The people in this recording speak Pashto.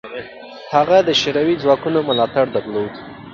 هغه د شوروي ځواکونو ملاتړ درلود.